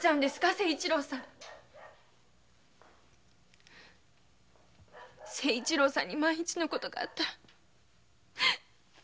清一郎さんに万一の事があったら私私。